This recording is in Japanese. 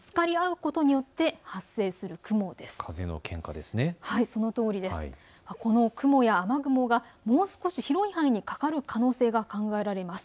この雲や雨雲がもう少し広い範囲にかかる可能性が考えられます。